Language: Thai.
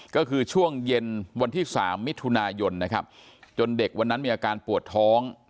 ก็คือช่วงเย็นวันที่๓มิถุนายนนะครับจนเด็กวันนั้นมีอาการปวดท้อง